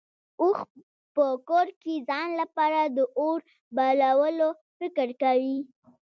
اوښ په کور کې ځان لپاره د اور بلولو فکر کوي.